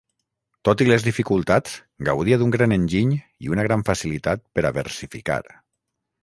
Tot i les dificultats, gaudia d'un gran enginy i una gran facilitat per a versificar.